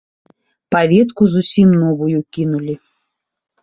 Паветку зусім новую кінулі.